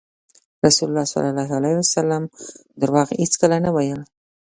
رسول الله ﷺ دروغ هېڅکله نه ویل.